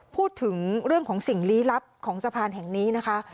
พูดถึงเรื่องของสิ่งลี้ลับของสะพานแห่งนี้นะคะ